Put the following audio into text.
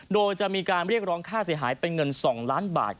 โดยจะมีการเรียกร้องค่าเสียหายเป็นเงิน๒ล้านบาท